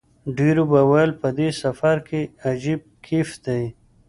ډېرو به ویل په دې سفر کې عجیب کیف دی.